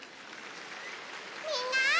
みんな！